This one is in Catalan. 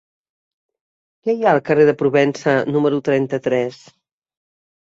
Què hi ha al carrer de Provença número trenta-tres?